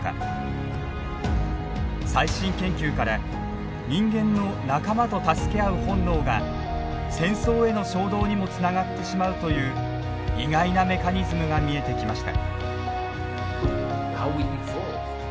最新研究から人間の仲間と助け合う本能が戦争への衝動にもつながってしまうという意外なメカニズムが見えてきました。